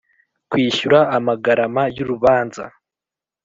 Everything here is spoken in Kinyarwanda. kwishyura amagarama y urubanza